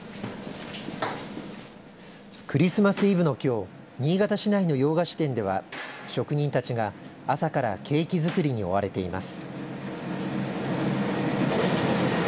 クリスマスイブのきょう新潟市内の洋菓子店では職人たちが、朝からケーキ作りに追われています。